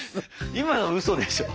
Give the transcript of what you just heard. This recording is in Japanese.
今のウソでしょ？